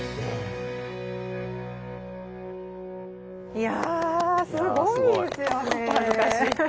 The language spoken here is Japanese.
いやすごい。